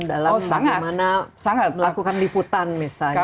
dalam bagaimana melakukan liputan misalnya